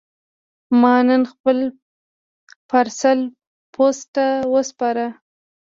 ما نن خپل پارسل پوسټ ته وسپاره.